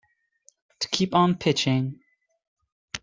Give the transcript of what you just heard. To keep on pitching.